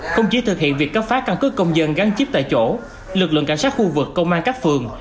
không chỉ thực hiện việc cấp phá căn cứ công dân gắn chip tại chỗ lực lượng cảnh sát khu vực công an các phường